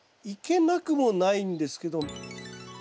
いけなくもないんですけど。